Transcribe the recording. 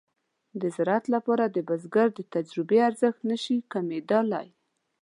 د زراعت لپاره د بزګر د تجربې ارزښت نشي کمېدلای.